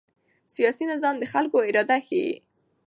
سیاسي نظام د خلکو اراده ښيي